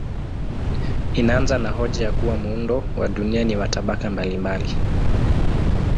Inaanza na hoja ya kuwa muundo wa dunia ni wa tabaka mbalimbali.